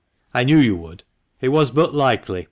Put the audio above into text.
I knew you would. It was but likely.